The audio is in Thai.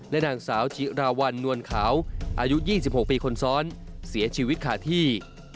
นางสาวจิราวัลนวลขาวอายุ๒๖ปีคนซ้อนเสียชีวิตขาดที่